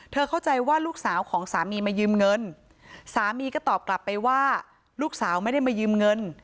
เข้าใจว่าลูกสาวของสามีมายืมเงินสามีก็ตอบกลับไปว่าลูกสาวไม่ได้มายืมเงิน